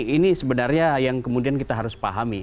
ini sebenarnya yang kemudian kita harus pahami